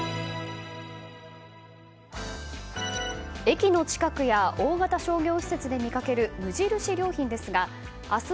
駅の近くや大型商業施設で見かける無印良品ですが明日